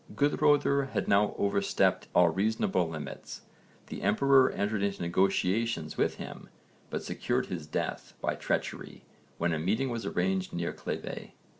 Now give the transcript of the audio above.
Guðröðr had now overstepped all reasonable limits: the emperor entered into negotiations with him but secured his death by treachery when a meeting was arranged near Cleves.